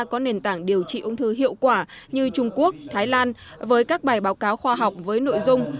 có nền tảng điều trị ung thư hiệu quả như trung quốc thái lan với các bài báo cáo khoa học với nội dung